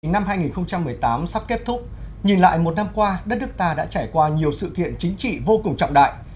năm hai nghìn một mươi tám sắp kết thúc nhìn lại một năm qua đất nước ta đã trải qua nhiều sự kiện chính trị vô cùng trọng đại